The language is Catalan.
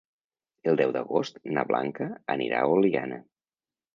El deu d'agost na Blanca anirà a Oliana.